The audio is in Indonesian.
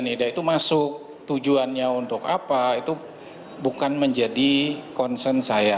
nida itu masuk tujuannya untuk apa itu bukan menjadi concern saya